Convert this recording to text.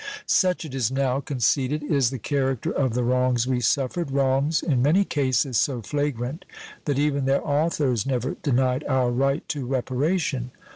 Such it is now conceded is the character of the wrongs we suffered wrongs in many cases so flagrant that even their authors never denied our right to reparation.